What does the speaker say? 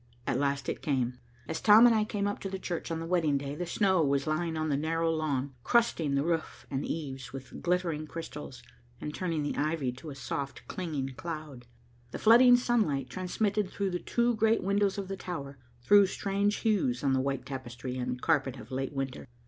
At last it came. As Tom and I came up to the church on the wedding day, the snow was lying on the narrow lawn, crusting the roof and eaves with glittering crystals, and turning the ivy to a soft, clinging cloud. The flooding sunlight, transmitted through the two great windows of the tower, threw strange hues on the white tapestry and carpet of late winter.